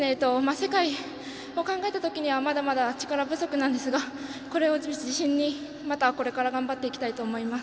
世界を考えたときにはまだまだ力不足なんですがこれを自信にまたこれから頑張っていきたいと思います。